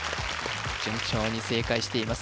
順調に正解しています